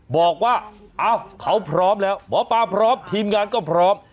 บอกว่าเอ้าเขาพร้อมแล้วหมอปลาพร้อมทีมงานก็พร้อม